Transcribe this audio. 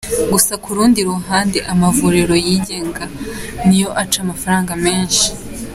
Gusa ku rundi ruhande amavuriro yigenga niyo aca amafaranga menshi.